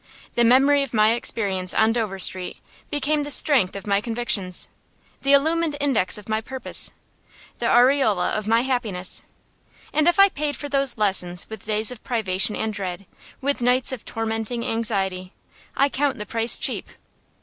The memory of my experience on Dover Street became the strength of my convictions, the illumined index of my purpose, the aureola of my happiness. And if I paid for those lessons with days of privation and dread, with nights of tormenting anxiety, I count the price cheap.